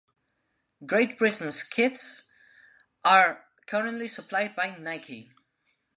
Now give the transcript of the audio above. Great Britain's kits are currently supplied by Nike.